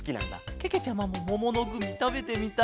けけちゃまももものグミたべてみたいケロ。